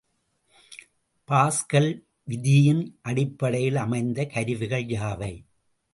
Pascal விதியின் அடிப்படையில் அமைந்த கருவிகள் யாவை?